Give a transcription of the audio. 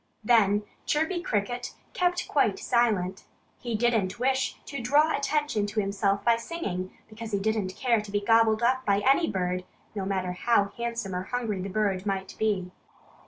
Then Chirpy Cricket kept quite silent. He didn't wish to draw attention to himself by singing, because he didn't care to be gobbled up by any bird, no matter how handsome or hungry the bird might be.